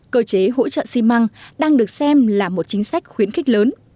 cơ chế hỗ trợ xi măng đang được xem là một chính sách khuyến khích lớn